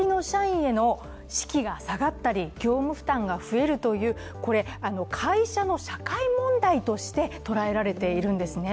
士気が下がったり、業務負担が増えるという、会社の社会問題として捉えられているんですね。